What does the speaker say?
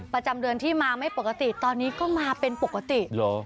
ประจำเดือนที่มาไม่ปกติตอนนี้ก็มาเป็นปกติเหรอ